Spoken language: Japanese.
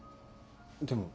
でも。